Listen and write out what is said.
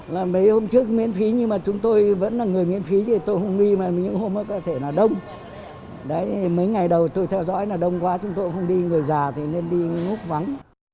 là mấy hôm trước miễn phí nhưng mà chúng tôi vẫn là người miễn phí thì tôi không nghi mà những hôm ấy có thể là đông đấy mấy ngày đầu tôi theo dõi là đông quá chúng tôi không đi người già thì nên đi ngút vắng